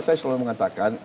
saya selalu mengatakan